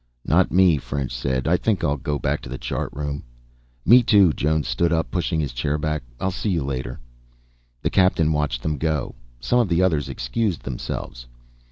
"Not me," French said. "I think I'll go back to the chart room." "Me, too." Jones stood up, pushing his chair back. "I'll see you later." The Captain watched them go. Some of the others excused themselves.